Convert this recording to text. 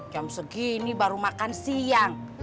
jam segini baru makan siang